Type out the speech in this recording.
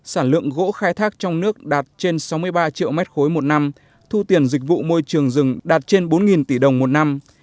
sản lượng gỗ khai thác trong nước đạt trên sáu mươi ba triệu mét khối một năm thu tiền dịch vụ môi trường rừng đạt trên bốn tỷ đồng một năm